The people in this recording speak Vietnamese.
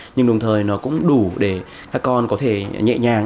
nhưng đồng thời nó cũng đủ để các con có thể nhẹ nhàng